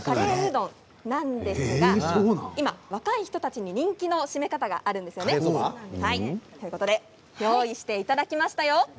どんなんですが今、若い人たちに人気の締め方があります。ということで用意していただきましたよ。